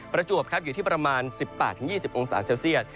ประจวบครับอยู่ที่ประมาณ๑๘๒๐องศาเซลเซียต